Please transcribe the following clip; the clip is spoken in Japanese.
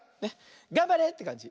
がんばれってかんじ。